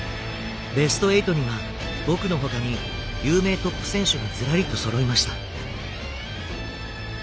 ベスト８には僕のほかに有名トップ選手がずらりとそろいました。